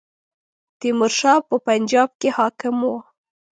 تیمور شاه په پنجاب کې حاکم وو.